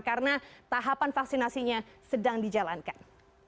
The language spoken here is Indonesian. karena tahapan vaksinasinya sedang dijalankan